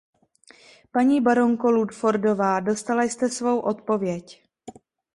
Paní baronko Ludfordová, dostala jste svou odpověď.